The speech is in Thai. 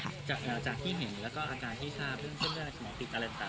จากที่เห็นแล้วก็อาการที่ทราบเรื่องเส้นเลือดสมองติดอะไรต่าง